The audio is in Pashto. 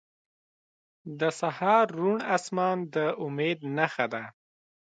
• د سهار روڼ آسمان د امید نښه ده.